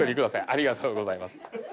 ありがとうございます。